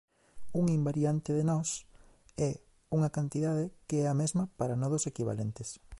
Un invariante de nós é unha "cantidade" que é a mesma para nodos equivalentes.